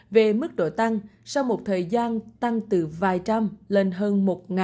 về mức độ tăng sau một thời gian tăng từ vài trăm lên hơn